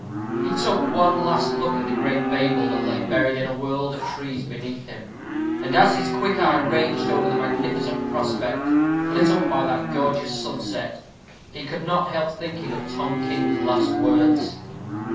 He took one last look at the great Babel that lay buried in a world of trees beneath him; and as his quick eye ranged over the magnificent prospect, lit up by that gorgeous sunset, he could not help thinking of Tom King's last words.